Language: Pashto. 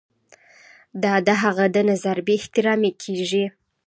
دا د هغه د نظر بې احترامي کیږي.